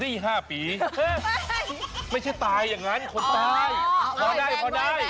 อีสานเบิ้ลฮาว